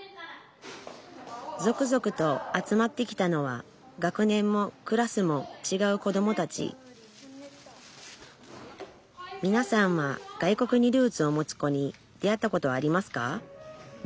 続々と集まってきたのは学年もクラスもちがうこどもたちみなさんは外国にルーツを持つ子に出会ったことはありますか？